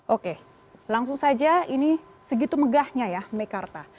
oke langsung saja ini segitu megahnya ya mekarta